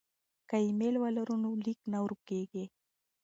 که ایمیل ولرو نو لیک نه ورکيږي.